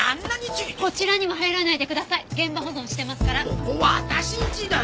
ここは私んちだよ！